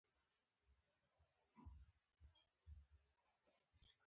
جانداد هر کار ته خوږ رنګ ورکوي.